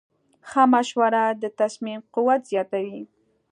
ښه مشوره د تصمیم قوت زیاتوي.